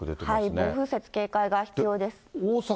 暴風雪に警戒が必要です。